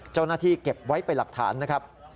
เจ้าหน้าธีรีบเก็บไว้ไปหลักฐานนะครับ